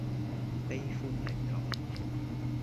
悲歡離合